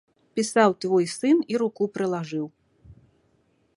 Пісаў твой сын і руку прылажыў.